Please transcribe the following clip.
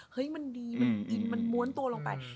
เฮ้ยมันดีมันม้วนตัวลงไป